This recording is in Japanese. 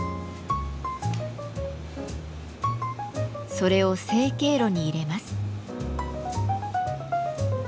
それを成形炉に入れます。